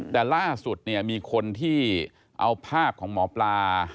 แต่ล่าสุดเนี่ยมีคนที่เอาภาพของหมอปลา